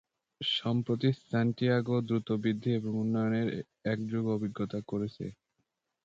সম্প্রতি সান্টিয়াগো দ্রুত বৃদ্ধি এবং উন্নয়নের এক যুগ অভিজ্ঞতা করেছে।